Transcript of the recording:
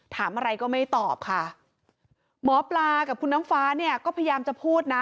ถามอะไรก็ไม่ตอบค่ะหมอปลากับคุณน้ำฟ้าเนี่ยก็พยายามจะพูดนะ